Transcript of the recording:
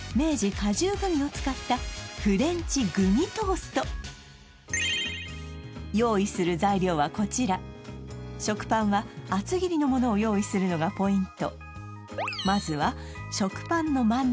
果汁グミを使った用意する材料はこちら食パンは厚切りのものを用意するのがポイント